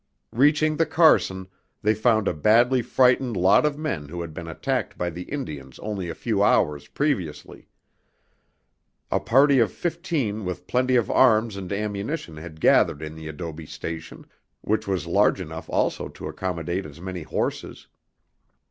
Reaching the Carson, they found a badly frightened lot of men who had been attacked by the Indians only a few hours previously. A party of fifteen with plenty of arms and ammunition had gathered in the adobe station, which was large enough also to accommodate as, many horses.